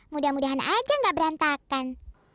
mudah mudahan aja nggak berantakan